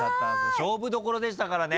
勝負どころでしたからね。